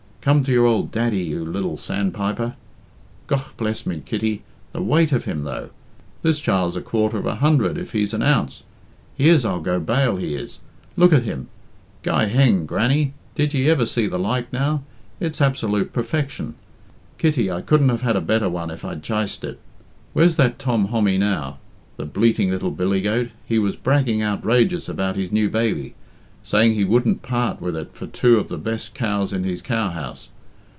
"Come to your ould daddie, you lil sandpiper. Gough bless me, Kitty, the weight of him, though! This child's a quarter of a hundred if he's an ounce. He is, I'll go bail he is. Look at him! Guy heng, Grannie, did ye ever see the like, now! It's absolute perfection. Kitty, I couldn't have had a better one if I'd chiced it. Where's that Tom Hommy now? The bleating little billygoat, he was bragging outrageous about his new baby saying he wouldn't part with it for two of the best cows in his cow house.